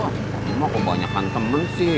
ini mah kok banyak kan temen sih